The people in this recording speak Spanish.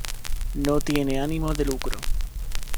No tiene ánimo de lucro.